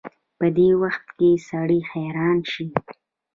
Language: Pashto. په دې وخت کې سړی حيران شي.